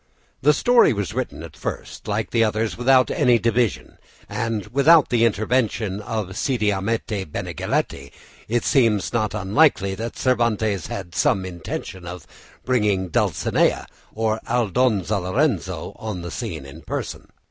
The story was written at first, like the others, without any division and without the intervention of Cide Hamete Benengeli; and it seems not unlikely that Cervantes had some intention of bringing Dulcinea, or Aldonza Lorenzo, on the scene in person.